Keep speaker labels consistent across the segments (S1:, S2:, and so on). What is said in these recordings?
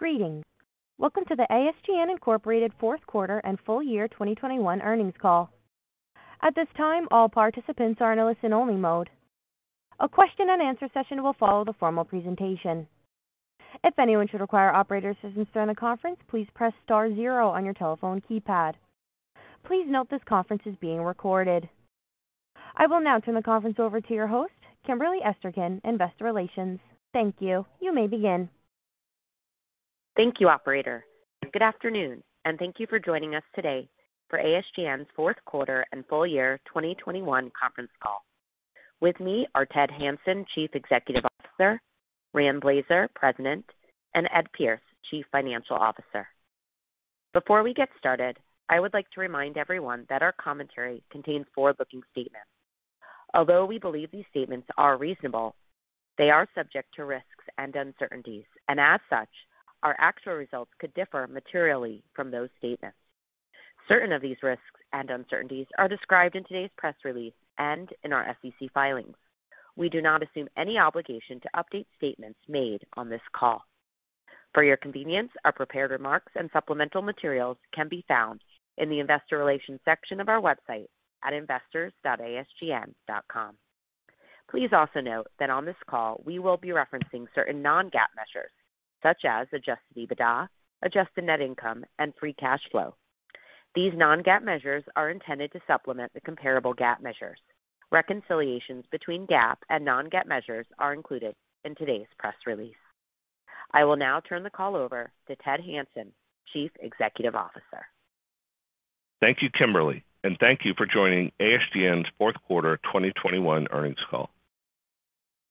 S1: Greetings. Welcome to the ASGN Incorporated fourth quarter and full year 2021 earnings call. At this time, all participants are in a listen-only mode. A question-and-answer session will follow the formal presentation. If anyone should require operator assistance during the conference, please press star zero on your telephone keypad. Please note this conference is being recorded. I will now turn the conference over to your host, Kimberly Esterkin, Investor Relations. Thank you. You may begin.
S2: Thank you, operator. Good afternoon, and thank you for joining us today for ASGN's fourth quarter and full year 2021 conference call. With me are Ted Hanson, Chief Executive Officer, Rand Blazer, President, and Ed Pierce, Chief Financial Officer. Before we get started, I would like to remind everyone that our commentary contains forward-looking statements. Although we believe these statements are reasonable, they are subject to risks and uncertainties, and as such, our actual results could differ materially from those statements. Certain of these risks and uncertainties are described in today's press release and in our SEC filings. We do not assume any obligation to update statements made on this call. For your convenience, our prepared remarks and supplemental materials can be found in the investor relations section of our website at investors.asgn.com. Please also note that on this call, we will be referencing certain non-GAAP measures such as adjusted EBITDA, adjusted net income, and free cash flow. These non-GAAP measures are intended to supplement the comparable GAAP measures. Reconciliations between GAAP and non-GAAP measures are included in today's press release. I will now turn the call over to Ted Hanson, Chief Executive Officer.
S3: Thank you, Kimberly, and thank you for joining ASGN's fourth quarter 2021 earnings call.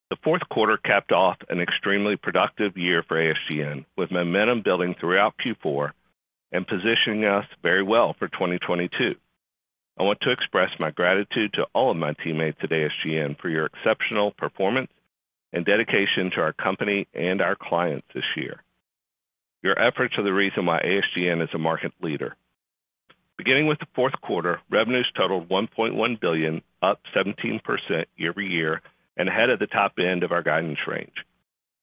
S3: The fourth quarter capped off an extremely productive year for ASGN, with momentum building throughout Q4 and positioning us very well for 2022. I want to express my gratitude to all of my teammates at ASGN for your exceptional performance and dedication to our company and our clients this year. Your efforts are the reason why ASGN is a market leader. Beginning with the fourth quarter, revenues totaled $1.1 billion, up 17% year-over-year, and ahead of the top end of our guidance range.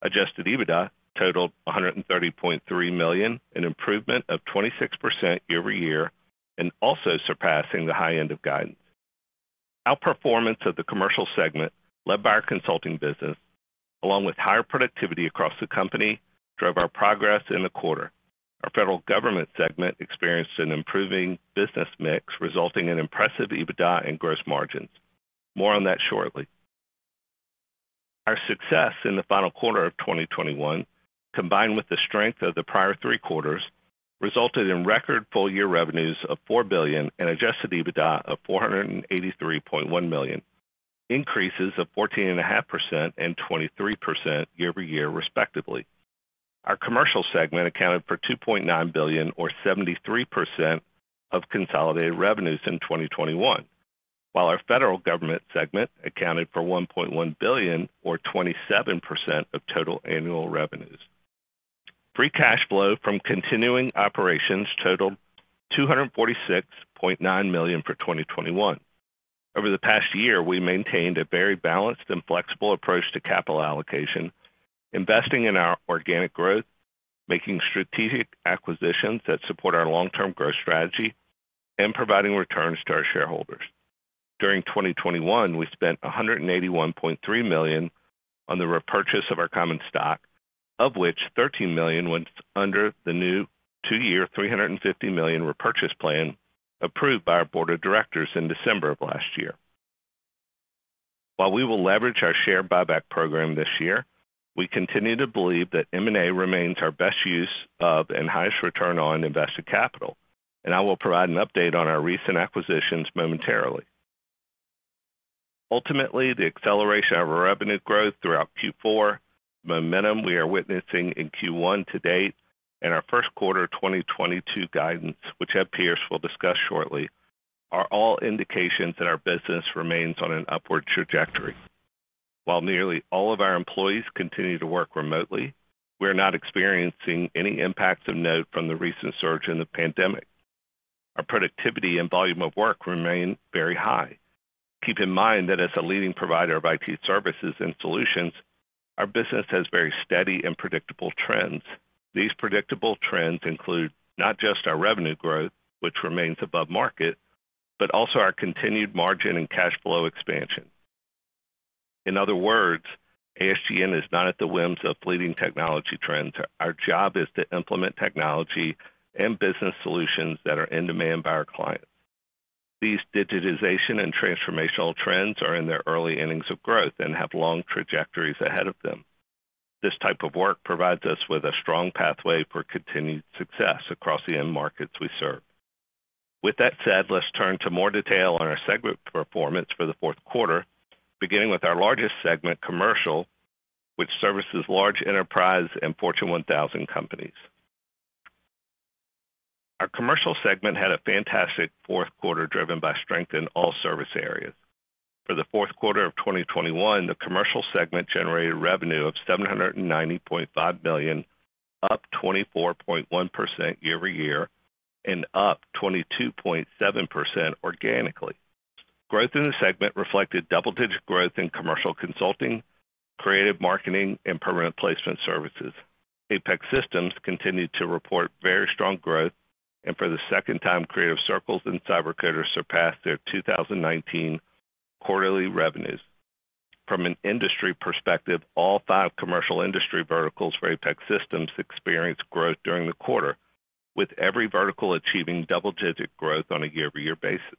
S3: Adjusted EBITDA totaled $130.3 million, an improvement of 26% year-over-year, and also surpassing the high end of guidance. Outperformance of the commercial segment led by our consulting business, along with higher productivity across the company, drove our progress in the quarter. Our federal government segment experienced an improving business mix, resulting in impressive EBITDA and gross margins. More on that shortly. Our success in the final quarter of 2021, combined with the strength of the prior three quarters, resulted in record full-year revenues of $4 billion and adjusted EBITDA of $483.1 million, increases of 14.5% and 23% year-over-year, respectively. Our commercial segment accounted for $2.9 billion or 73% of consolidated revenues in 2021, while our federal government segment accounted for $1.1 billion or 27% of total annual revenues. Free cash flow from continuing operations totaled $246.9 million for 2021. Over the past year, we maintained a very balanced and flexible approach to capital allocation, investing in our organic growth, making strategic acquisitions that support our long-term growth strategy, and providing returns to our shareholders. During 2021, we spent $181.3 million on the repurchase of our common stock, of which $13 million went under the new two-year, $350 million repurchase plan approved by our board of directors in December of last year. While we will leverage our share buyback program this year, we continue to believe that M&A remains our best use of and highest return on invested capital, and I will provide an update on our recent acquisitions momentarily. Ultimately, the acceleration of our revenue growth throughout Q4, the momentum we are witnessing in Q1 to date, and our first quarter 2022 guidance, which Ed Pierce will discuss shortly, are all indications that our business remains on an upward trajectory. While nearly all of our employees continue to work remotely, we are not experiencing any impacts of note from the recent surge in the pandemic. Our productivity and volume of work remain very high. Keep in mind that as a leading provider of IT services and solutions, our business has very steady and predictable trends. These predictable trends include not just our revenue growth, which remains above market, but also our continued margin and cash flow expansion. In other words, ASGN is not at the whims of fleeting technology trends. Our job is to implement technology and business solutions that are in demand by our clients. These digitization and transformational trends are in their early innings of growth and have long trajectories ahead of them. This type of work provides us with a strong pathway for continued success across the end markets we serve. With that said, let's turn to more detail on our segment performance for the fourth quarter, beginning with our largest segment, Commercial, which services large enterprise and Fortune 1000 companies. Our Commercial segment had a fantastic fourth quarter, driven by strength in all service areas. For the fourth quarter of 2021, the Commercial segment generated revenue of $790.5 million, up 24.1% year-over-year and up 22.7% organically. Growth in the segment reflected double-digit growth in commercial consulting, creative marketing, and permanent placement services. Apex Systems continued to report very strong growth, and for the second time, Creative Circle and CyberCoders surpassed their 2019 quarterly revenues. From an industry perspective, all five commercial industry verticals for Apex Systems experienced growth during the quarter, with every vertical achieving double-digit growth on a year-over-year basis.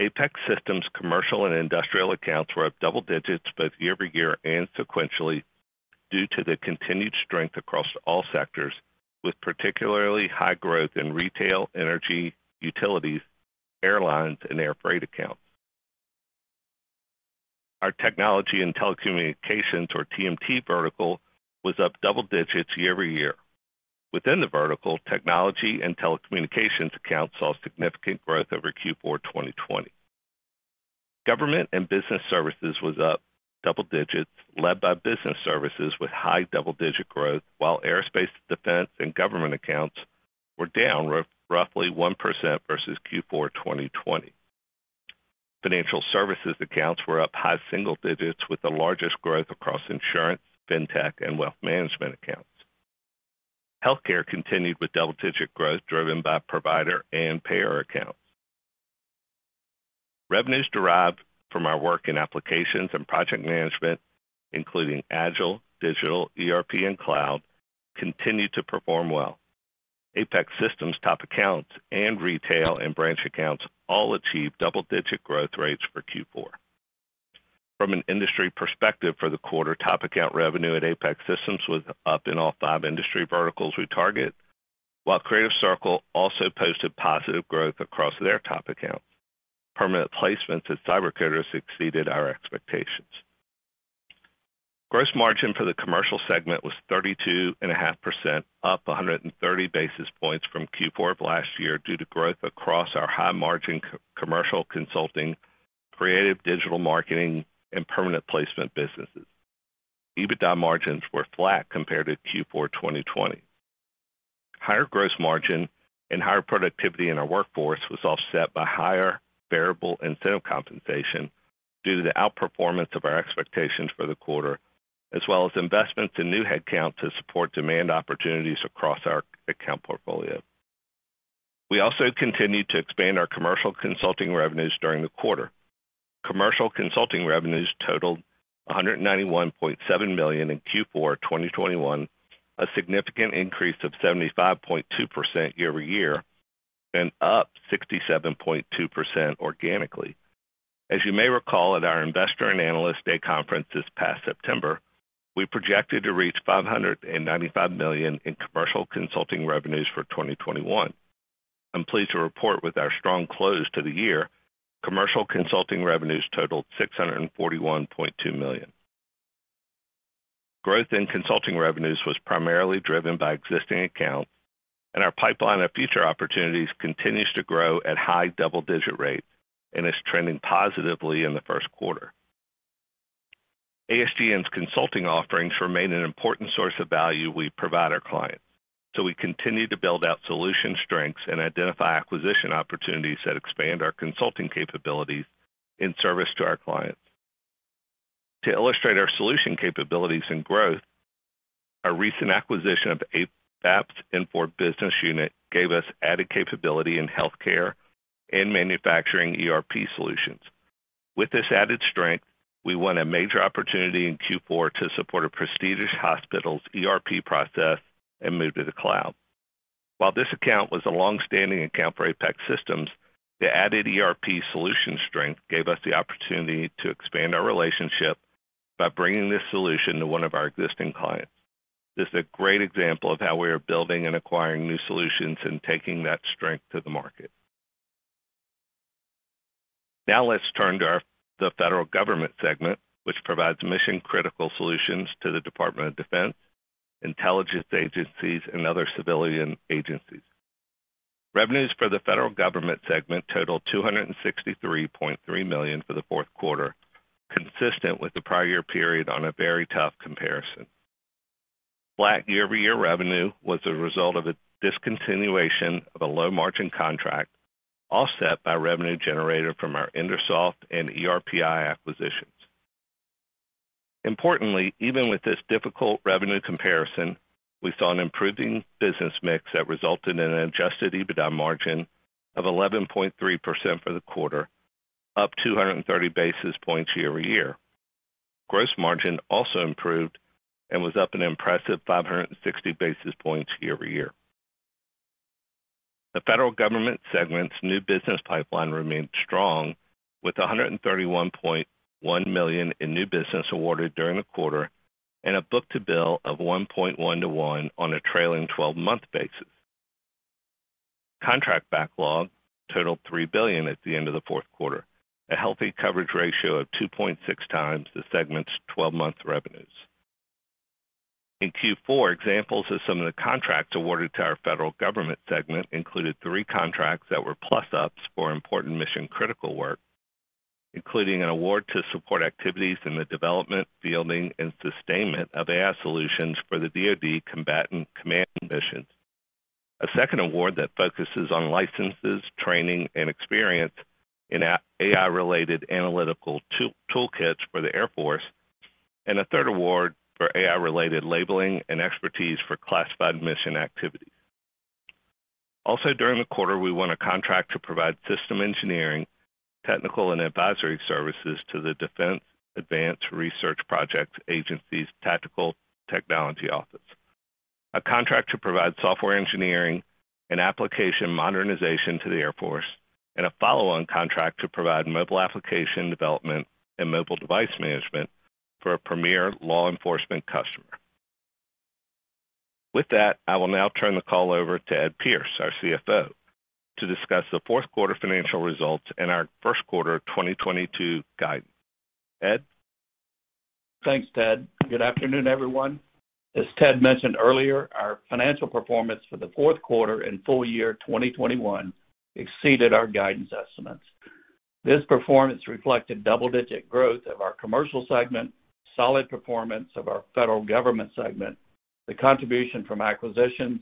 S3: Apex Systems commercial and industrial accounts were up double digits both year-over-year and sequentially due to the continued strength across all sectors, with particularly high growth in retail, energy, utilities, airlines, and airfreight accounts. Our technology and telecommunications, or TMT vertical, was up double digits year-over-year. Within the vertical, technology and telecommunications accounts saw significant growth over Q4 2020. Government and business services was up double digits led by business services with high double-digit growth, while aerospace, defense, and government accounts were down roughly 1% versus Q4 2020. Financial services accounts were up high single digits with the largest growth across insurance, fintech, and wealth management accounts. Healthcare continued with double-digit growth driven by provider and payer accounts. Revenues derived from our work in applications and project management, including agile, digital, ERP, and cloud, continued to perform well. Apex Systems top accounts and retail and branch accounts all achieved double-digit growth rates for Q4. From an industry perspective for the quarter, top account revenue at Apex Systems was up in all five industry verticals we target, while Creative Circle also posted positive growth across their top accounts. Permanent placements at CyberCoders exceeded our expectations. Gross margin for the commercial segment was 32.5%, up 130 basis points from Q4 of last year due to growth across our high-margin commercial consulting, creative digital marketing, and permanent placement businesses. EBITDA margins were flat compared to Q4 2020. Higher gross margin and higher productivity in our workforce was offset by higher variable incentive compensation due to the outperformance of our expectations for the quarter, as well as investments in new headcount to support demand opportunities across our account portfolio. We also continued to expand our commercial consulting revenues during the quarter. Commercial consulting revenues totaled $191.7 million in Q4 2021, a significant increase of 75.2% year-over-year, and up 67.2% organically. As you may recall at our Investor and Analyst Day conference this past September, we projected to reach $595 million in commercial consulting revenues for 2021. I'm pleased to report with our strong close to the year, commercial consulting revenues totaled $641.2 million. Growth in consulting revenues was primarily driven by existing accounts, and our pipeline of future opportunities continues to grow at high double-digit rates and is trending positively in the first quarter. ASGN's consulting offerings remain an important source of value we provide our clients, so we continue to build out solution strengths and identify acquisition opportunities that expand our consulting capabilities in service to our clients. To illustrate our solution capabilities and growth, our recent acquisition of Avaap Infor business unit gave us added capability in healthcare and manufacturing ERP solutions. With this added strength, we won a major opportunity in Q4 to support a prestigious hospital's ERP process and move to the cloud. While this account was a long-standing account for Apex Systems, the added ERP solution strength gave us the opportunity to expand our relationship by bringing this solution to one of our existing clients. This is a great example of how we are building and acquiring new solutions and taking that strength to the market. Now let's turn to our federal government segment, which provides mission-critical solutions to the Department of Defense, intelligence agencies, and other civilian agencies. Revenues for the federal government segment totaled $263.3 million for the fourth quarter, consistent with the prior year period on a very tough comparison. Flat year-over-year revenue was the result of a discontinuation of a low-margin contract, offset by revenue generated from our IndraSoft and ERPi acquisitions. Importantly, even with this difficult revenue comparison, we saw an improving business mix that resulted in an adjusted EBITDA margin of 11.3% for the quarter, up 230 basis points year-over-year. Gross margin also improved and was up an impressive 560 basis points year-over-year. The federal government segment's new business pipeline remained strong with $131.1 million in new business awarded during the quarter and a book-to-bill of 1.1 to 1 on a trailing 12-month basis. Contract backlog totaled $3 billion at the end of the fourth quarter, a healthy coverage ratio of 2.6x the segment's twelve-month revenues. In Q4, examples of some of the contracts awarded to our federal government segment included three contracts that were plus-ups for important mission-critical work. Including an award to support activities in the development, fielding, and sustainment of AI solutions for the DoD combatant command mission. A second award that focuses on licenses, training, and experience in AI-related analytical toolkits for the Air Force, and a third award for AI-related labeling and expertise for classified mission activities. Also, during the quarter, we won a contract to provide system engineering, technical, and advisory services to the Defense Advanced Research Projects Agency's Tactical Technology Office, a contract to provide software engineering and application modernization to the Air Force, and a follow-on contract to provide mobile application development and mobile device management for a premier law enforcement customer. With that, I will now turn the call over to Ed Pierce, our CFO, to discuss the fourth quarter financial results and our first quarter 2022 guidance. Ed?
S4: Thanks, Ted. Good afternoon, everyone. As Ted mentioned earlier, our financial performance for the fourth quarter and full year 2021 exceeded our guidance estimates. This performance reflected double-digit growth of our commercial segment, solid performance of our federal government segment, the contribution from acquisitions,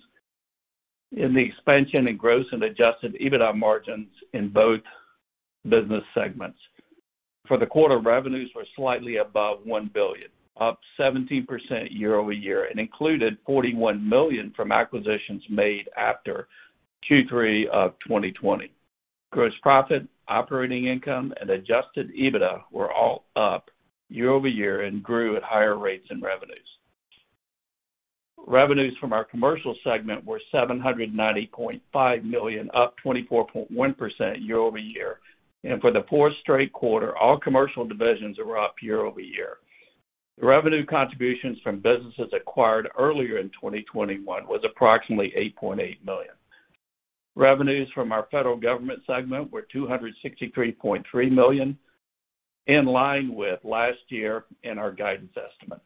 S4: and the expansion in gross and adjusted EBITDA margins in both business segments. For the quarter, revenues were slightly above $1 billion, up 17% year-over-year, and included $41 million from acquisitions made after Q3 of 2020. Gross profit, operating income, and adjusted EBITDA were all up year-over-year and grew at higher rates than revenues. Revenues from our commercial segment were $790.5 million, up 24.1% year-over-year. For the fourth straight quarter, all commercial divisions were up year-over-year. The revenue contributions from businesses acquired earlier in 2021 was approximately $8.8 million. Revenues from our federal government segment were $263.3 million, in line with last year and our guidance estimates.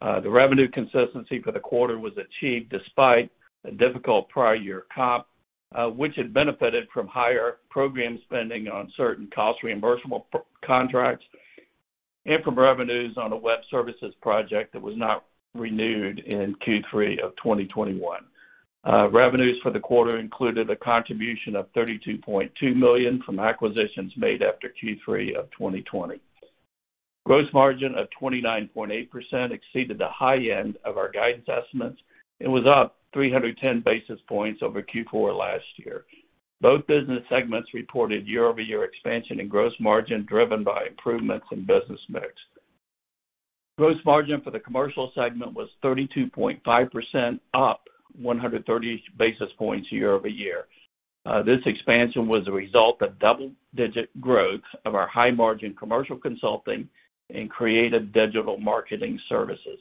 S4: The revenue consistency for the quarter was achieved despite a difficult prior year comp, which had benefited from higher program spending on certain cost reimbursable contracts and from revenues on a web services project that was not renewed in Q3 of 2021. Revenues for the quarter included a contribution of $32.2 million from acquisitions made after Q3 of 2020. Gross margin of 29.8% exceeded the high end of our guidance estimates and was up 310 basis points over Q4 last year. Both business segments reported year-over-year expansion in gross margin driven by improvements in business mix. Gross margin for the commercial segment was 32.5%, up 130 basis points year-over-year. This expansion was a result of double-digit growth of our high margin commercial consulting and creative digital marketing services.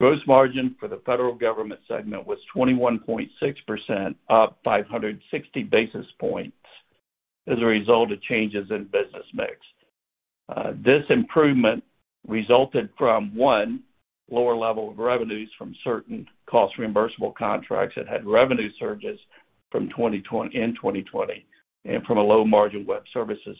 S4: Gross margin for the federal government segment was 21.6%, up 560 basis points as a result of changes in business mix. This improvement resulted from, one, lower level of revenues from certain cost reimbursable contracts that had revenue surges from 2020 and from a low margin web services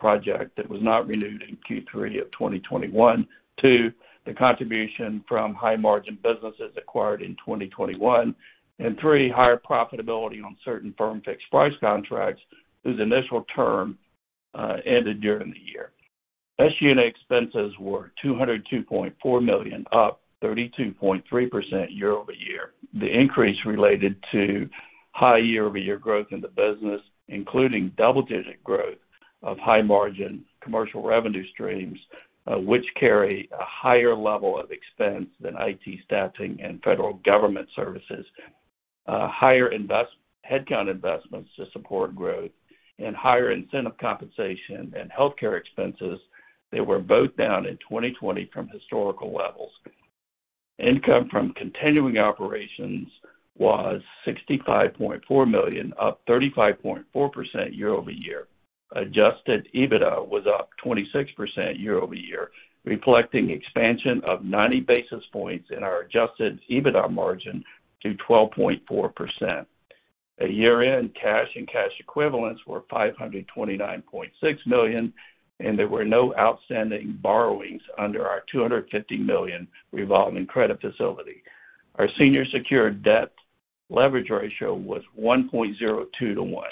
S4: project that was not renewed in Q3 of 2021. Two, the contribution from high margin businesses acquired in 2021. Three, higher profitability on certain firm fixed price contracts whose initial term ended during the year. SG&A expenses were $202.4 million, up 32.3% year-over-year. The increase related to high year-over-year growth in the business, including double-digit growth of high margin commercial revenue streams, which carry a higher level of expense than IT staffing and federal government services, higher headcount investments to support growth, and higher incentive compensation and healthcare expenses that were both down in 2020 from historical levels. Income from continuing operations was $65.4 million, up 35.4% year-over-year. Adjusted EBITDA was up 26% year-over-year, reflecting expansion of 90 basis points in our adjusted EBITDA margin to 12.4%. At year-end, cash and cash equivalents were $529.6 million, and there were no outstanding borrowings under our $250 million revolving credit facility. Our senior secured debt leverage ratio was 1.02 to 1.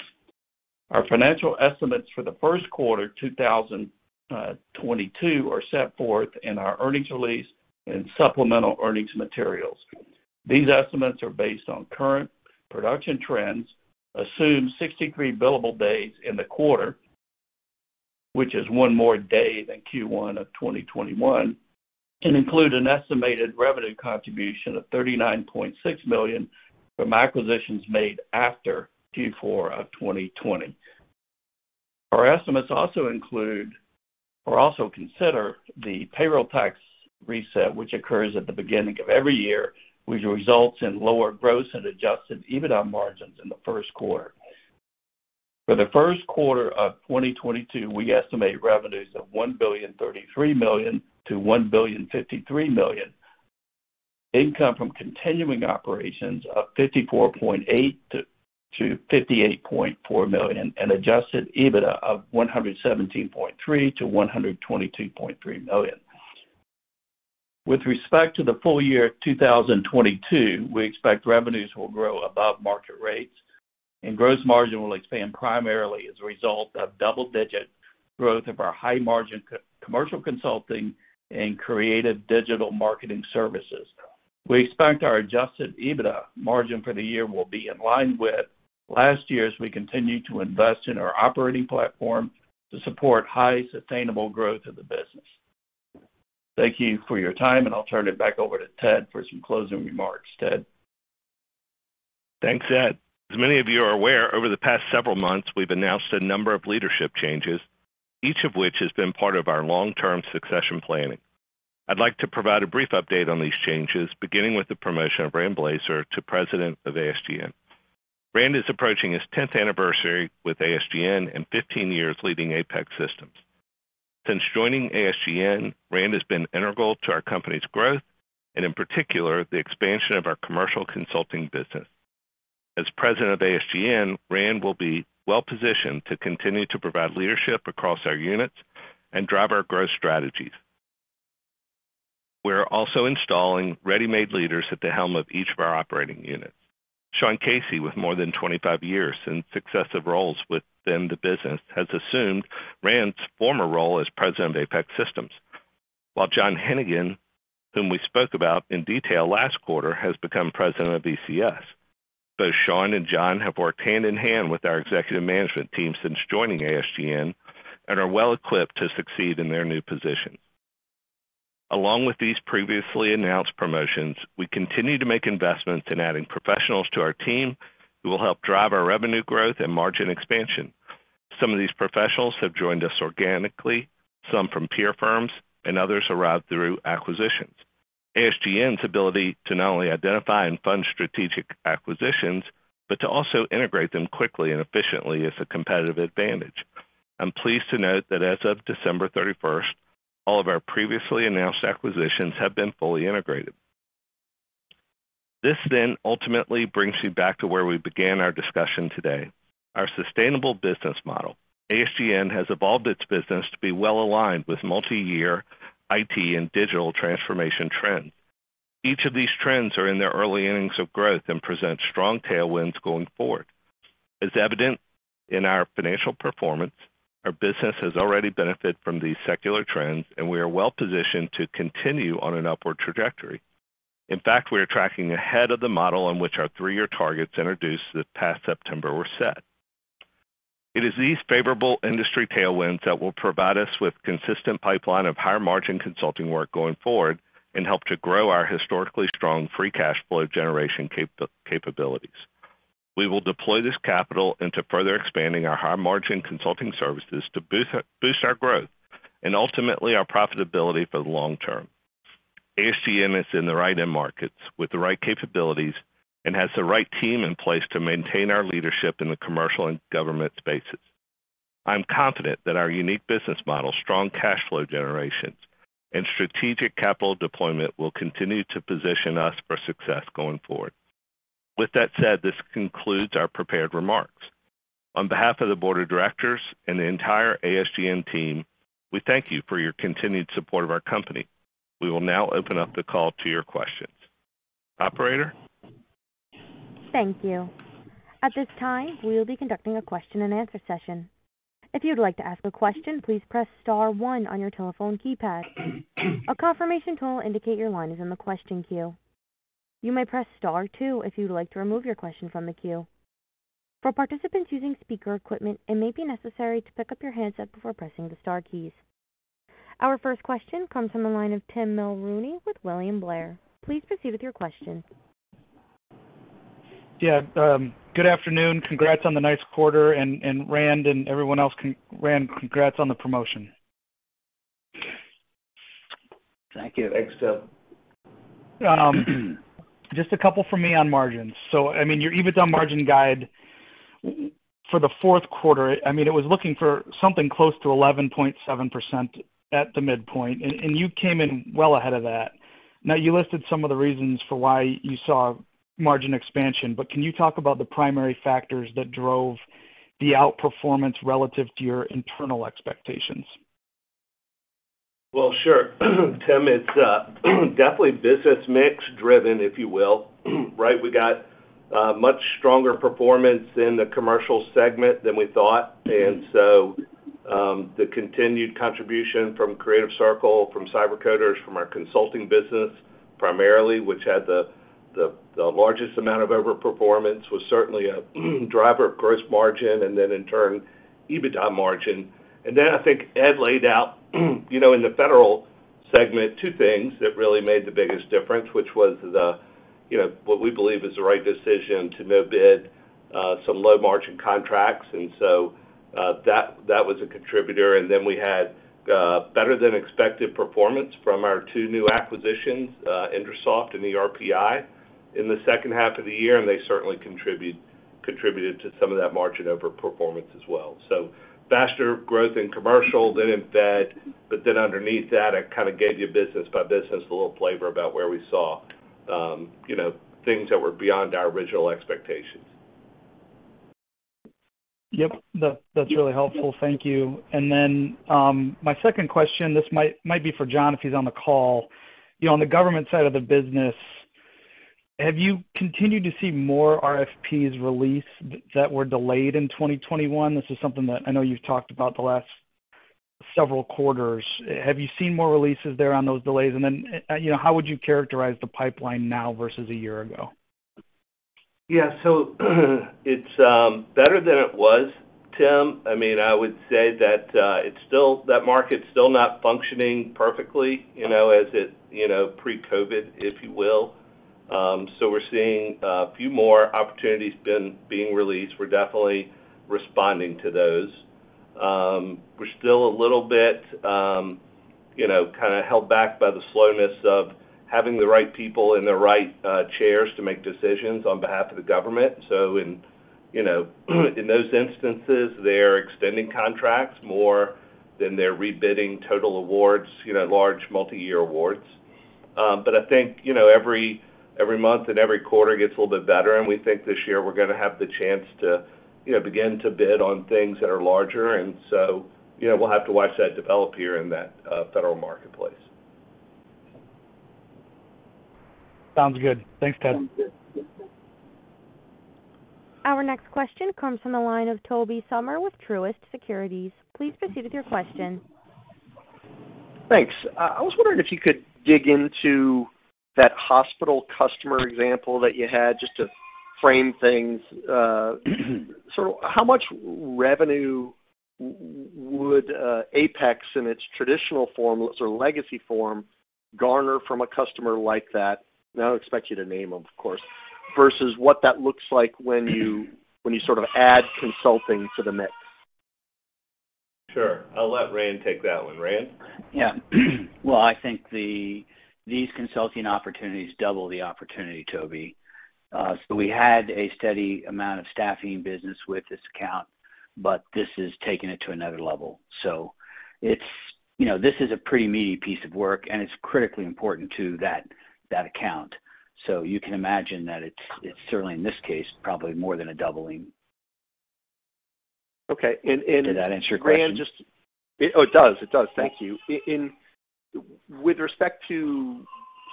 S4: Our financial estimates for the first quarter 2022 are set forth in our earnings release and supplemental earnings materials. These estimates are based on current production trends, assume 63 billable days in the quarter, which is one more day than Q1 of 2021, and include an estimated revenue contribution of $39.6 million from acquisitions made after Q4 of 2020. Our estimates also consider the payroll tax reset, which occurs at the beginning of every year, which results in lower gross and adjusted EBITDA margins in the first quarter. For the first quarter of 2022, we estimate revenues of $1.033 billion-$1.053 billion. Income from continuing operations of $54.8 million-$58.4 million and adjusted EBITDA of $117.3 million-$122.3 million. With respect to the full year of 2022, we expect revenues will grow above market rates and gross margin will expand primarily as a result of double-digit growth of our high-margin commercial consulting and creative digital marketing services. We expect our adjusted EBITDA margin for the year will be in line with last year's as we continue to invest in our operating platform to support high sustainable growth of the business. Thank you for your time, and I'll turn it back over to Ted for some closing remarks. Ted?
S3: Thanks, Ed. As many of you are aware, over the past several months, we've announced a number of leadership changes, each of which has been part of our long-term succession planning. I'd like to provide a brief update on these changes, beginning with the promotion of Rand Blazer to President of ASGN. Rand is approaching his 10th anniversary with ASGN and 15 years leading Apex Systems. Since joining ASGN, Rand has been integral to our company's growth and in particular, the expansion of our commercial consulting business. As President of ASGN, Rand will be well-positioned to continue to provide leadership across our units and drive our growth strategies. We're also installing ready-made leaders at the helm of each of our operating units. Sean Casey, with more than 25 years in successive roles within the business, has assumed Rand's former role as President of Apex Systems. While John Heneghan, whom we spoke about in detail last quarter, has become President of ECS. Both Sean and John have worked hand in hand with our executive management team since joining ASGN and are well equipped to succeed in their new position. Along with these previously announced promotions, we continue to make investments in adding professionals to our team who will help drive our revenue growth and margin expansion. Some of these professionals have joined us organically, some from peer firms, and others arrived through acquisitions. ASGN's ability to not only identify and fund strategic acquisitions, but to also integrate them quickly and efficiently is a competitive advantage. I'm pleased to note that as of December 31st, all of our previously announced acquisitions have been fully integrated. This then ultimately brings me back to where we began our discussion today, our sustainable business model. ASGN has evolved its business to be well-aligned with multi-year IT and digital transformation trends. Each of these trends are in their early innings of growth and present strong tailwinds going forward. As evident in our financial performance, our business has already benefited from these secular trends, and we are well-positioned to continue on an upward trajectory. In fact, we are tracking ahead of the model in which our three-year targets introduced this past September were set. It is these favorable industry tailwinds that will provide us with consistent pipeline of higher-margin consulting work going forward and help to grow our historically strong free cash flow generation capabilities. We will deploy this capital into further expanding our high-margin consulting services to boost our growth and ultimately our profitability for the long term. ASGN is in the right end markets with the right capabilities and has the right team in place to maintain our leadership in the commercial and government spaces. I'm confident that our unique business model, strong cash flow generations, and strategic capital deployment will continue to position us for success going forward. With that said, this concludes our prepared remarks. On behalf of the board of directors and the entire ASGN team, we thank you for your continued support of our company. We will now open up the call to your questions. Operator?
S1: Thank you. At this time, we will be conducting a question-and-answer session. If you'd like to ask a question, please press star one on your telephone keypad. A confirmation tone will indicate your line is in the question queue. You may press star two if you'd like to remove your question from the queue. For participants using speaker equipment, it may be necessary to pick up your handset before pressing the star keys. Our first question comes from the line of Tim Mulrooney with William Blair. Please proceed with your question.
S5: Yeah, good afternoon. Congrats on the nice quarter and Rand and everyone else. Rand, congrats on the promotion.
S6: Thank you.
S3: Thanks, Tim.
S5: Just a couple from me on margins. I mean, your EBITDA margin guide for the fourth quarter, I mean, it was looking for something close to 11.7% at the midpoint, and you came in well ahead of that. Now, you listed some of the reasons for why you saw margin expansion, but can you talk about the primary factors that drove the outperformance relative to your internal expectations?
S3: Well, sure. Tim, it's definitely business mix driven, if you will. Right? We got much stronger performance in the commercial segment than we thought. The continued contribution from Creative Circle, from CyberCoders, from our consulting business, primarily, which had the largest amount of overperformance, was certainly a driver of gross margin and then in turn, EBITDA margin. I think Ed laid out, you know, in the federal segment, two things that really made the biggest difference, which was the, you know, what we believe is the right decision to no-bid some low-margin contracts. That was a contributor. We had better than expected performance from our two new acquisitions, IndraSoft and ERPi. In the second half of the year, and they certainly contributed to some of that margin over performance as well. Faster growth in commercial than in fed, but then underneath that, I kind of gave you business by business, a little flavor about where we saw, you know, things that were beyond our original expectations.
S5: Yep. That's really helpful. Thank you. My second question, this might be for John if he's on the call. You know, on the government side of the business, have you continued to see more RFPs released that were delayed in 2021? This is something that I know you've talked about the last several quarters. Have you seen more releases there on those delays? You know, how would you characterize the pipeline now versus a year ago?
S3: Yeah. It's better than it was, Tim. I mean, I would say that it's still that market's still not functioning perfectly, you know, as it pre-COVID, if you will. We're seeing a few more opportunities being released. We're definitely responding to those. We're still a little bit, you know, kinda held back by the slowness of having the right people in the right chairs to make decisions on behalf of the government. In those instances, they're extending contracts more than they're rebidding total awards, you know, large multi-year awards. I think every month and every quarter gets a little bit better, and we think this year we're gonna have the chance to begin to bid on things that are larger. You know, we'll have to watch that develop here in that federal marketplace.
S5: Sounds good. Thanks, Ted.
S1: Our next question comes from the line of Tobey Sommer with Truist Securities. Please proceed with your question.
S7: Thanks. I was wondering if you could dig into that hospital customer example that you had just to frame things. So how much revenue would Apex in its traditional form or legacy form garner from a customer like that? I don't expect you to name them, of course, versus what that looks like when you sort of add consulting to the mix.
S3: Sure. I'll let Rand take that one. Rand?
S6: Well, I think these consulting opportunities double the opportunity, Tobey. We had a steady amount of staffing business with this account, but this is taking it to another level. You know, this is a pretty meaty piece of work, and it's critically important to that account. You can imagine that it's certainly, in this case, probably more than a doubling.
S7: Okay.
S6: Did that answer your question?
S7: Rand, Oh, it does. It does. Thank you. With respect to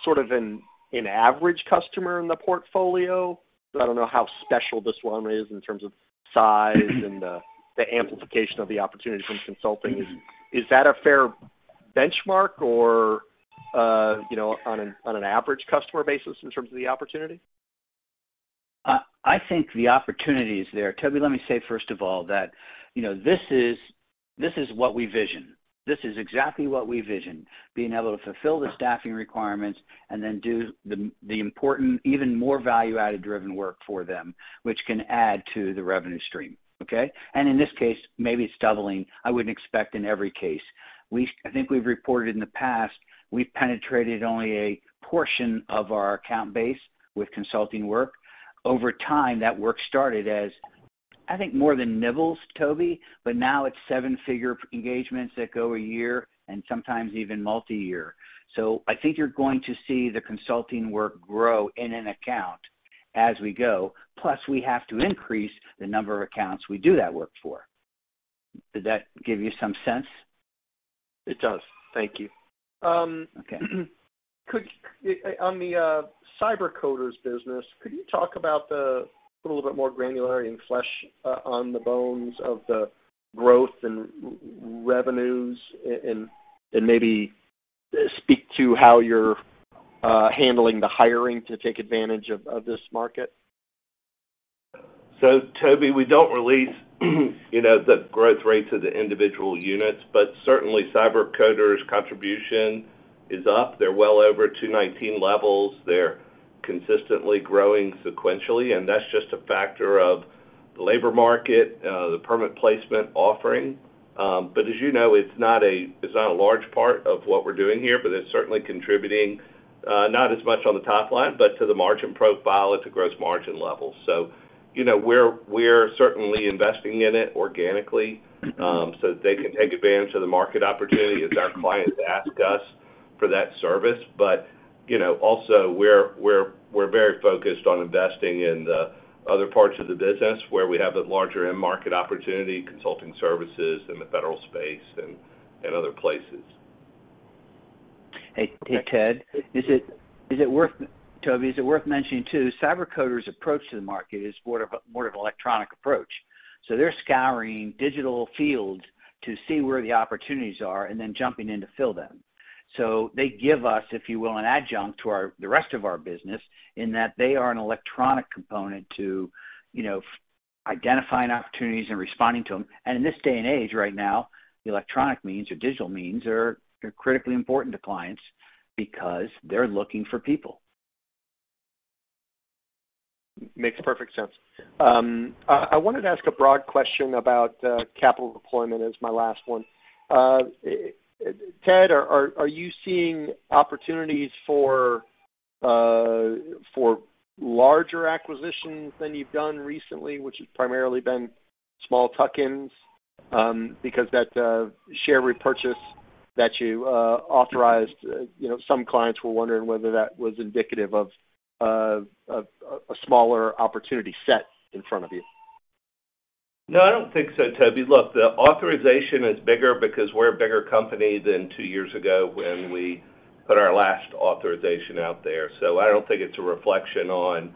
S7: sort of an average customer in the portfolio, 'cause I don't know how special this one is in terms of size and the amplification of the opportunity from consulting. Is that a fair benchmark or, you know, on an average customer basis in terms of the opportunity?
S6: I think the opportunity is there. Tobey, let me say first of all that, you know, this is what we vision. This is exactly what we vision, being able to fulfill the staffing requirements and then do the important, even more value-added driven work for them, which can add to the revenue stream, okay? In this case, maybe it's doubling. I wouldn't expect in every case. I think we've reported in the past, we've penetrated only a portion of our account base with consulting work. Over time, that work started as, I think, more than nibbles, Tobey, but now it's seven-figure engagements that go a year and sometimes even multi-year. I think you're going to see the consulting work grow in an account as we go. Plus, we have to increase the number of accounts we do that work for. Did that give you some sense?
S7: It does. Thank you.
S6: Okay.
S7: On the CyberCoders business, could you put a little bit more granularity and flesh on the bones of the growth and revenues, and maybe speak to how you're handling the hiring to take advantage of this market?
S3: Tobey, we don't release, you know, the growth rate to the individual units, but certainly CyberCoders' contribution is up. They're well over 2.19 levels. They're consistently growing sequentially, and that's just a factor of the labor market, the permanent placement offering. But as you know, it's not a large part of what we're doing here, but it's certainly contributing, not as much on the top line, but to the margin profile at the gross margin level. You know, we're very focused on investing in the other parts of the business where we have a larger end market opportunity, consulting services in the federal space and other places.
S6: Hey, hey, Ted. Tobey, is it worth mentioning, too, CyberCoders' approach to the market is more of an electronic approach. So they're scouring digital fields to see where the opportunities are and then jumping in to fill them. So they give us, if you will, an adjunct to our, the rest of our business in that they are an electronic component to, you know, identifying opportunities and responding to them. In this day and age right now, the electronic means or digital means are critically important to clients because they're looking for people.
S7: Makes perfect sense. I wanted to ask a broad question about capital deployment as my last one. Ted, are you seeing opportunities for larger acquisitions than you've done recently, which has primarily been small tuck-ins, because that share repurchase that you authorized, you know, some clients were wondering whether that was indicative of a smaller opportunity set in front of you?
S3: No, I don't think so, Tobey. Look, the authorization is bigger because we're a bigger company than two years ago when we put our last authorization out there. I don't think it's a reflection on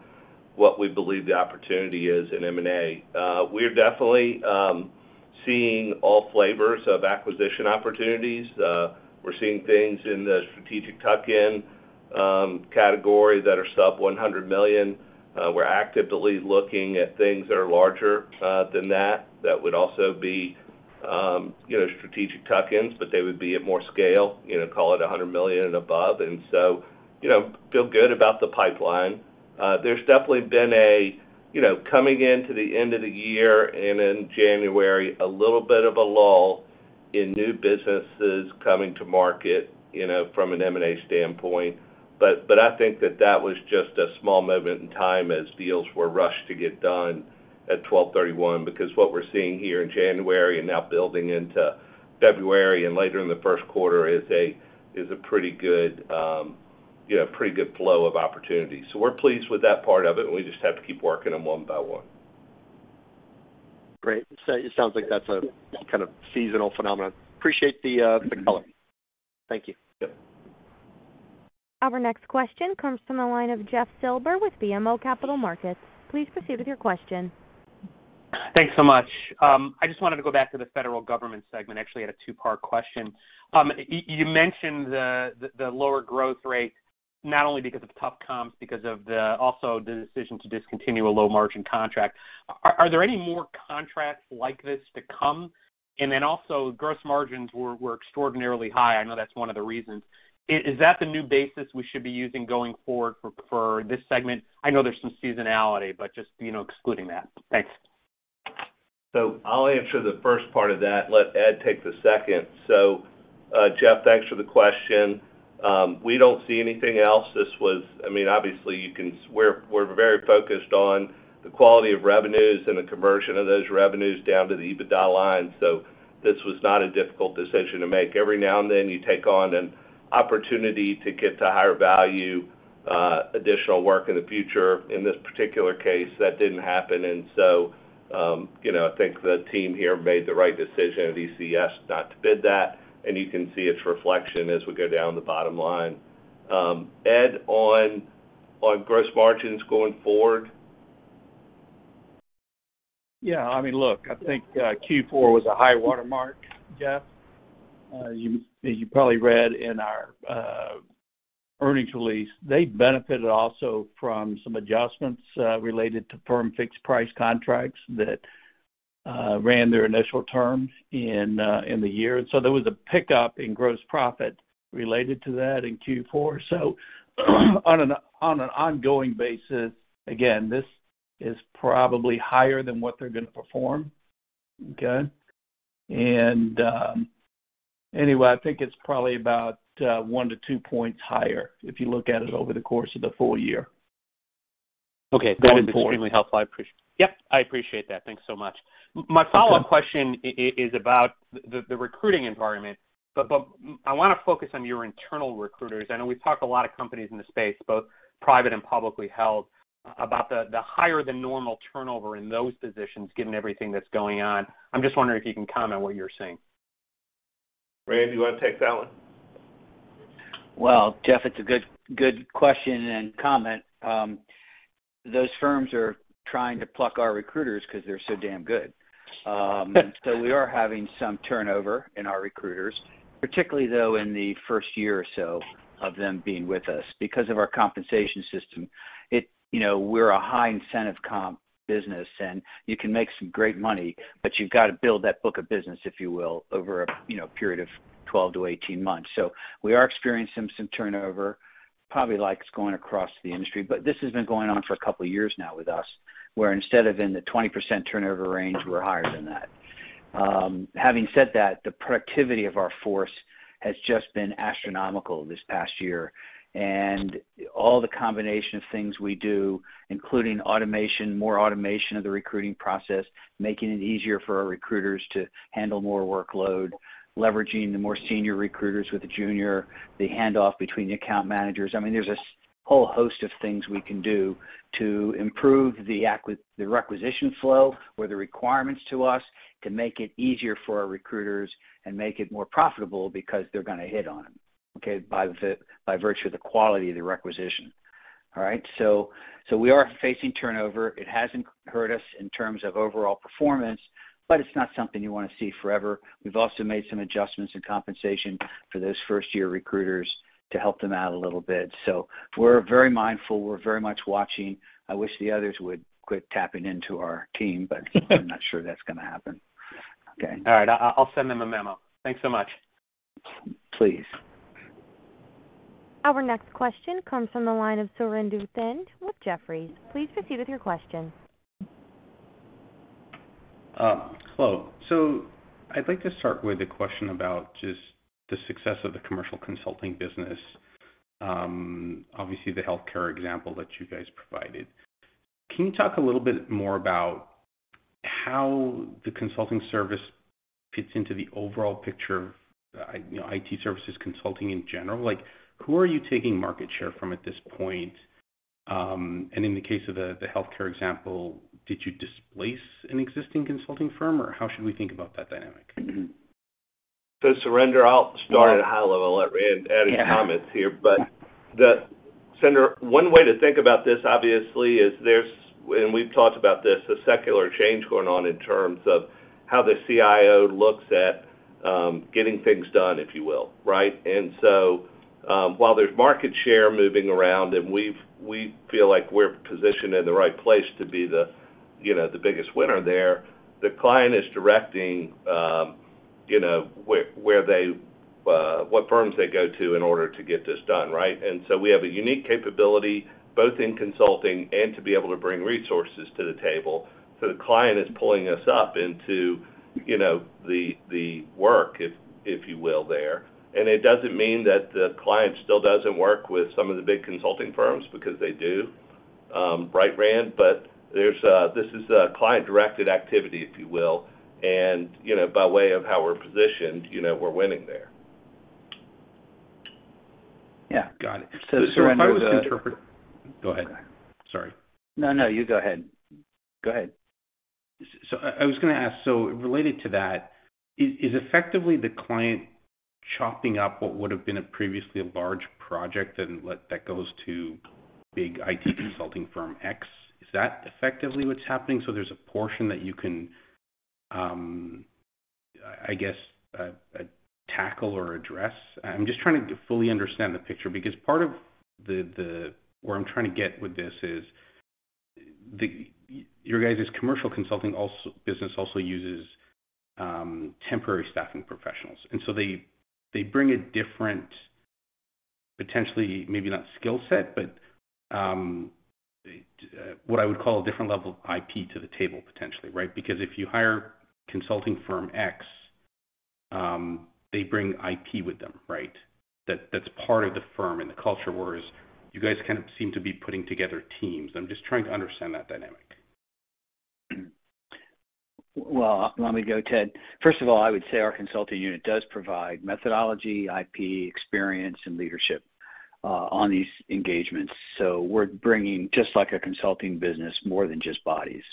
S3: what we believe the opportunity is in M&A. We're definitely seeing all flavors of acquisition opportunities. We're seeing things in the strategic tuck-in category that are sub $100 million. We're actively looking at things that are larger than that would also be, you know, strategic tuck-ins, but they would be at more scale, you know, call it $100 million and above. You know, feel good about the pipeline. There's definitely been a, you know, coming into the end of the year and in January, a little bit of a lull in new businesses coming to market, you know, from an M&A standpoint. I think that was just a small moment in time as deals were rushed to get done at 12/31, because what we're seeing here in January and now building into February and later in the first quarter is a pretty good, you know, pretty good flow of opportunities. We're pleased with that part of it. We just have to keep working them one by one.
S7: Great. It sounds like that's a kind of seasonal phenomenon. Appreciate the color. Thank you.
S3: Yep.
S1: Our next question comes from the line of Jeff Silber with BMO Capital Markets. Please proceed with your question.
S8: Thanks so much. I just wanted to go back to the federal government segment. I actually had a two-part question. You mentioned the lower growth rate not only because of tough comps, also the decision to discontinue a low-margin contract. Are there any more contracts like this to come? And then also gross margins were extraordinarily high. I know that's one of the reasons. Is that the new basis we should be using going forward for this segment? I know there's some seasonality, but just, you know, excluding that. Thanks.
S3: I'll answer the first part of that, let Ed take the second. Jeff, thanks for the question. We don't see anything else. This was. I mean, obviously, we're very focused on the quality of revenues and the conversion of those revenues down to the EBITDA line. This was not a difficult decision to make. Every now and then, you take on an opportunity to get to higher value, additional work in the future. In this particular case, that didn't happen. You know, I think the team here made the right decision at ECS not to bid that. You can see its reflection as we go down the bottom line. Ed, on gross margins going forward.
S4: Yeah, I mean, look, I think Q4 was a high-water mark, Jeff. You probably read in our earnings release, they benefited also from some adjustments related to firm fixed price contracts that ran their initial terms in the year. There was a pickup in gross profit related to that in Q4. On an ongoing basis, again, this is probably higher than what they're gonna perform. Okay? Anyway, I think it's probably about 1-2 points higher if you look at it over the course of the full year.
S8: Okay.
S4: Going forward.
S8: That was extremely helpful. I appreciate. Yep, I appreciate that. Thanks so much. My follow-up question is about the recruiting environment, but I wanna focus on your internal recruiters. I know we've talked a lot of companies in the space, both private and publicly held, about the higher than normal turnover in those positions given everything that's going on. I'm just wondering if you can comment what you're seeing.
S3: Rand, you wanna take that one?
S6: Well, Jeff, it's a good question and comment. Those firms are trying to pluck our recruiters 'cause they're so damn good. We are having some turnover in our recruiters, particularly, though, in the first year or so of them being with us because of our compensation system. You know, we're a high incentive comp business, and you can make some great money, but you've got to build that book of business, if you will, over a, you know, period of 12 to 18 months. We are experiencing some turnover, probably like it's going across the industry. This has been going on for a couple of years now with us, where instead of in the 20% turnover range, we're higher than that. Having said that, the productivity of our force has just been astronomical this past year. All the combination of things we do, including automation, more automation of the recruiting process, making it easier for our recruiters to handle more workload, leveraging the more senior recruiters with the junior, the handoff between the account managers. I mean, there's a whole host of things we can do to improve the requisition flow or the requirements to us to make it easier for our recruiters and make it more profitable because they're gonna hit on them, okay, by virtue of the quality of the requisition. All right? We are facing turnover. It hasn't hurt us in terms of overall performance, but it's not something you wanna see forever. We've also made some adjustments in compensation for those first-year recruiters to help them out a little bit. We're very mindful. We're very much watching. I wish the others would quit tapping into our team, but I'm not sure that's gonna happen. Okay.
S8: All right. I'll send them a memo. Thanks so much.
S6: Please.
S1: Our next question comes from the line of Surinder Thind with Jefferies. Please proceed with your question.
S9: Hello. I'd like to start with a question about just the success of the commercial consulting business, obviously the healthcare example that you guys provided. Can you talk a little bit more about how the consulting service fits into the overall picture of, you know, IT services consulting in general? Like, who are you taking market share from at this point? And in the case of the healthcare example, did you displace an existing consulting firm, or how should we think about that dynamic?
S3: Surinder, I'll start at a high level and let Rand add any comments here. Surinder, one way to think about this, obviously, is there's and we've talked about this, a secular change going on in terms of how the CIO looks at getting things done, if you will, right? While there's market share moving around, and we feel like we're positioned in the right place to be the, you know, the biggest winner there, the client is directing, you know, where what firms they go to in order to get this done, right? We have a unique capability both in consulting and to be able to bring resources to the table. The client is pulling us up into, you know, the work, if you will, there. It doesn't mean that the client still doesn't work with some of the big consulting firms because they do, right Rand? This is a client-directed activity, if you will, and, you know, by way of how we're positioned, you know, we're winning there.
S9: Yeah. Got it. If I was to interpret. Go ahead. Sorry.
S6: No, no, you go ahead. Go ahead.
S9: I was gonna ask, related to that, is effectively the client chopping up what would have been previously a large project and that goes to big IT consulting firm X? Is that effectively what's happening so there's a portion that you can, I guess, tackle or address? I'm just trying to fully understand the picture because part of where I'm trying to get with this is your guys' commercial consulting business also uses temporary staffing professionals, and they bring a different potentially maybe not skill set, but what I would call a different level of IP to the table potentially, right? Because if you hire consulting firm X, they bring IP with them, right? That's part of the firm and the culture, whereas you guys kind of seem to be putting together teams. I'm just trying to understand that dynamic.
S6: Well, let me go, Ted. First of all, I would say our consulting unit does provide methodology, IP, experience, and leadership on these engagements. We're bringing, just like a consulting business, more than just bodies.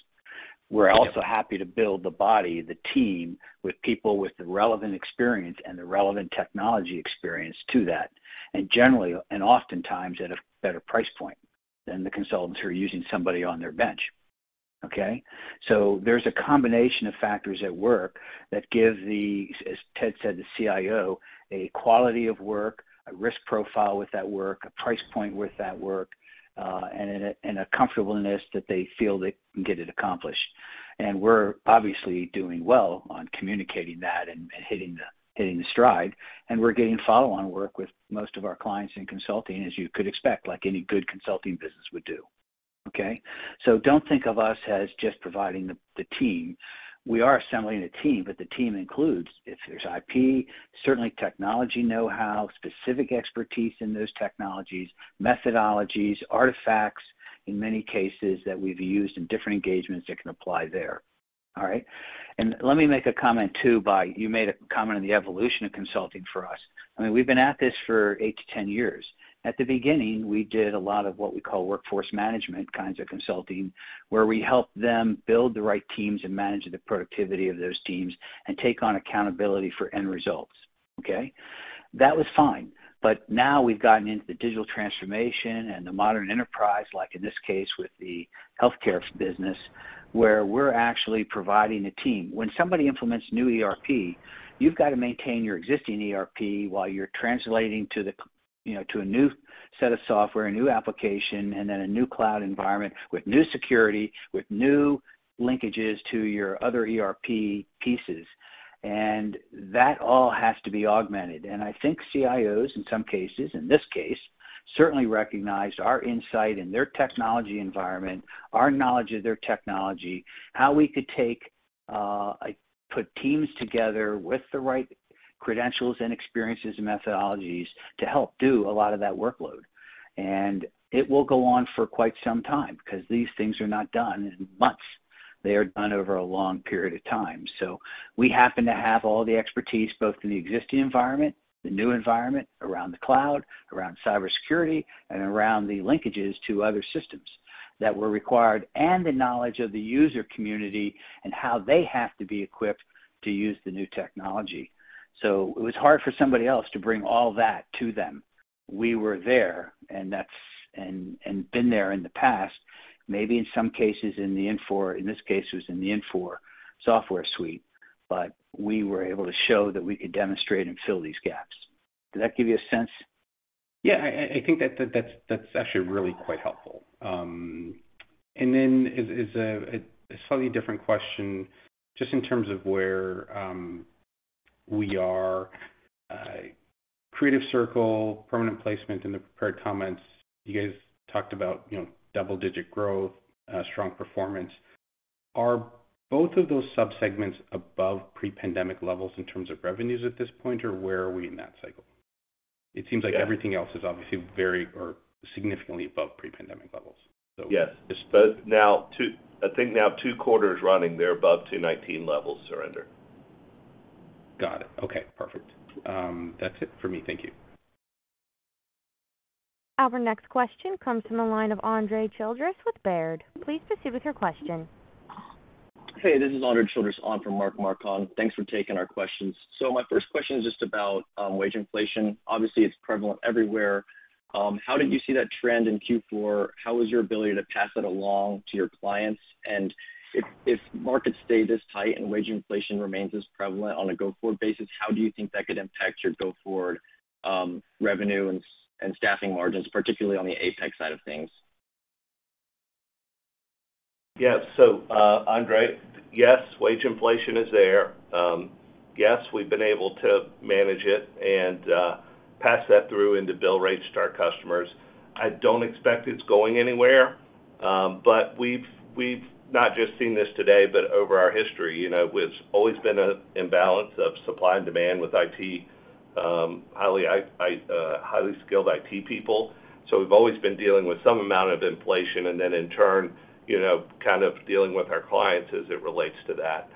S6: We're also happy to build the body, the team with people with the relevant experience and the relevant technology experience to that, and generally and oftentimes at a better price point than the consultants who are using somebody on their bench, okay? There's a combination of factors at work that give the, as Ted said, the CIO, a quality of work, a risk profile with that work, a price point with that work, and a comfortableness that they feel they can get it accomplished. We're obviously doing well on communicating that and hitting the stride. We're getting follow-on work with most of our clients in consulting, as you could expect, like any good consulting business would do, okay? Don't think of us as just providing the team. We are assembling a team, but the team includes, if there's IP, certainly technology know-how, specific expertise in those technologies, methodologies, artifacts in many cases that we've used in different engagements that can apply there, all right? Let me make a comment too. You made a comment on the evolution of consulting for us. I mean, we've been at this for eight-10 years. At the beginning, we did a lot of what we call workforce management kinds of consulting, where we helped them build the right teams and manage the productivity of those teams and take on accountability for end results, okay? That was fine. Now we've gotten into the digital transformation and the modern enterprise, like in this case with the healthcare business, where we're actually providing a team. When somebody implements new ERP, you've got to maintain your existing ERP while you're translating to the, you know, to a new set of software, a new application, and then a new cloud environment with new security, with new linkages to your other ERP pieces. And that all has to be augmented. And I think CIOs in some cases, in this case, certainly recognized our insight in their technology environment, our knowledge of their technology, how we could take, put teams together with the right credentials and experiences and methodologies to help do a lot of that workload. And it will go on for quite some time because these things are not done in months. They are done over a long period of time. We happen to have all the expertise, both in the existing environment, the new environment, around the cloud, around cybersecurity, and around the linkages to other systems that were required, and the knowledge of the user community and how they have to be equipped to use the new technology. It was hard for somebody else to bring all that to them. We were there, and that's. And been there in the past. In this case, it was in the Infor software suite, but we were able to show that we could demonstrate and fill these gaps. Does that give you a sense?
S9: Yeah. I think that's actually really quite helpful. Then, is a slightly different question just in terms of where we are. Creative Circle, permanent placement in the prepared comments, you guys talked about, you know, double-digit growth, strong performance. Are both of those subsegments above pre-pandemic levels in terms of revenues at this point, or where are we in that cycle? It seems like everything else is obviously very or significantly above pre-pandemic levels.
S3: Yes. Now I think now two quarters running, they're above 2.19 levels, Surinder.
S9: Got it. Okay, perfect. That's it for me. Thank you.
S1: Our next question comes from the line of Andre Childress with Baird. Please proceed with your question.
S10: Hey, this is Andre Childress on for Mark Marcon. Thanks for taking our questions. My first question is just about wage inflation. Obviously, it's prevalent everywhere. How did you see that trend in Q4? How was your ability to pass it along to your clients? If markets stay this tight and wage inflation remains as prevalent on a go-forward basis, how do you think that could impact your go-forward revenue and staffing margins, particularly on the Apex side of things?
S3: Yes. Andre, yes, wage inflation is there. Yes, we've been able to manage it and pass that through into bill rates to our customers. I don't expect it's going anywhere, but we've not just seen this today, but over our history. You know, it's always been an imbalance of supply and demand with IT, highly skilled IT people. We've always been dealing with some amount of inflation, and then in turn, you know, kind of dealing with our clients as it relates to that.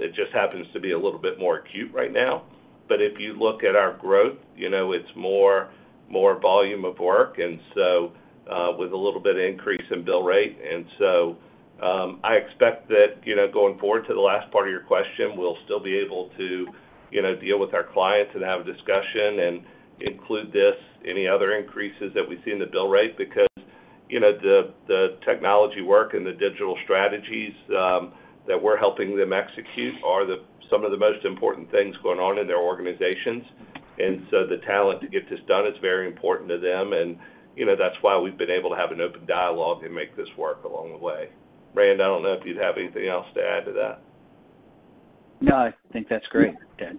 S3: It just happens to be a little bit more acute right now. If you look at our growth, you know, it's more volume of work, and with a little bit of increase in bill rate. I expect that, you know, going forward to the last part of your question, we'll still be able to, you know, deal with our clients and have a discussion and include this, any other increases that we see in the bill rate, because, you know, the technology work and the digital strategies that we're helping them execute are some of the most important things going on in their organizations. The talent to get this done is very important to them. You know, that's why we've been able to have an open dialogue and make this work along the way. Rand, I don't know if you'd have anything else to add to that.
S6: No, I think that's great, Ted.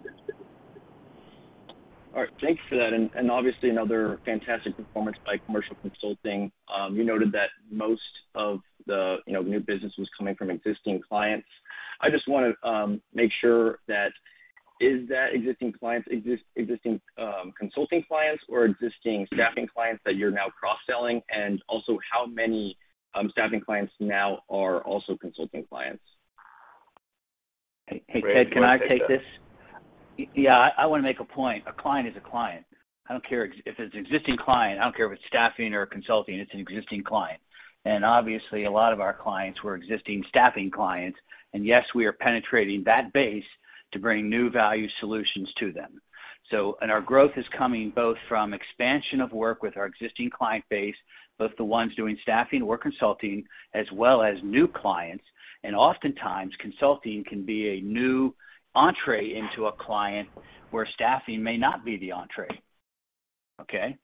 S10: All right. Thanks for that. Obviously another fantastic performance by commercial consulting. You noted that most of the, you know, new business was coming from existing clients. I just wanna make sure. Is that existing consulting clients or existing staffing clients that you're now cross-selling? How many staffing clients now are also consulting clients?
S6: Hey, Ted, can I take this?
S3: Rand, you wanna take that?
S6: Yeah. I wanna make a point. A client is a client. I don't care if it's an existing client. I don't care if it's staffing or consulting, it's an existing client. Obviously, a lot of our clients were existing staffing clients. Yes, we are penetrating that base to bring new value solutions to them. Our growth is coming both from expansion of work with our existing client base, both the ones doing staffing or consulting, as well as new clients. Oftentimes, consulting can be a new entry into a client where staffing may not be the entry. Okay.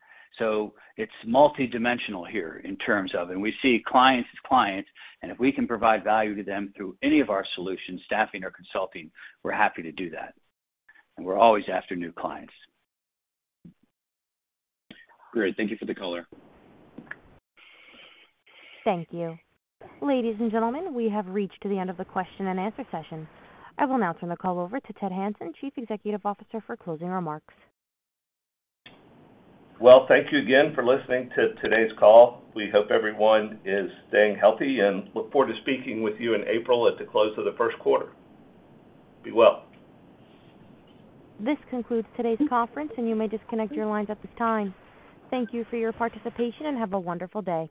S6: It's multidimensional here. We see clients as clients, and if we can provide value to them through any of our solutions, staffing or consulting, we're happy to do that. We're always after new clients.
S10: Great. Thank you for the color.
S1: Thank you. Ladies and gentlemen, we have reached the end of the question-and-answer session. I will now turn the call over to Ted Hanson, Chief Executive Officer, for closing remarks.
S3: Well, thank you again for listening to today's call. We hope everyone is staying healthy and look forward to speaking with you in April at the close of the first quarter. Be well.
S1: This concludes today's conference, and you may disconnect your lines at this time. Thank you for your participation, and have a wonderful day.